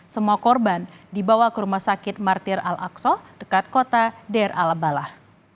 semua korban dibawa ke rumah sakit martir al aqsa dekat kota der al abalah